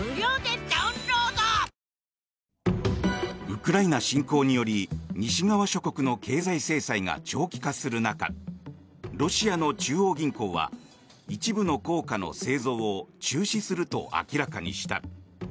ウクライナ侵攻により西側諸国の経済制裁が長期化する中ロシアの中央銀行は一部の硬貨の製造を中止すると明らかにした。